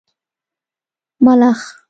🦗 ملخ